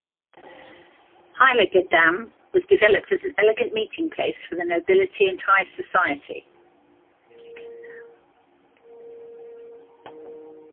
Heiligendamm was developed as an elegant meeting place for the nobility and high society.